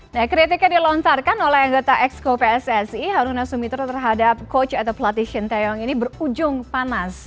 nah kritik yang dilontarkan oleh anggota exco pssi haruna sumitra terhadap coach atau pelatih shin taeyong ini berujung panas